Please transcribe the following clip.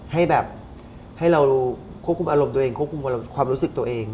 ให้แบบให้เราควบคุมอารมณ์ตัวเองควบคุมความรู้สึกตัวเอง